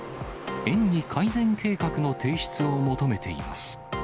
園に改善計画の提出を求めています。